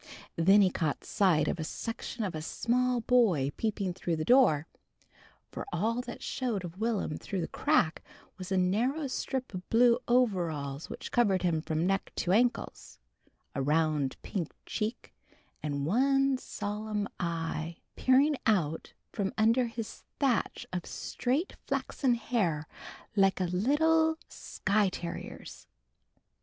Then he caught sight of a section of a small boy peeping through the door, for all that showed of Will'm through the crack was a narrow strip of blue overalls which covered him from neck to ankles, a round pink cheek and one solemn eye peering out from under his thatch of straight flaxen hair like a little Skye terrier's.